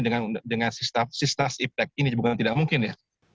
dengan sista sipet ini bukan tidak mungkin ya